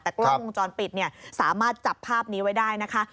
แต่กล้องวงจรปิดเนี่ยสามารถจับภาพนี้ไว้ได้นะคะ